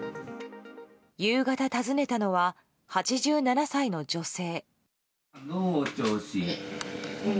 夕方、訪ねたのは８７歳の女性。